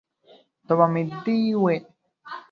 توبه مې دې وي.